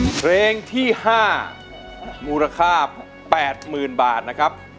เพลงที่๕มูลค่า๘๐๐๐บาทนะครับ